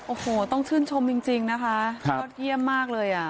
โอ้โหต้องชื่นชมจริงนะคะยอดเยี่ยมมากเลยอ่ะ